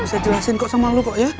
saya jelasin kok sama lu kok ya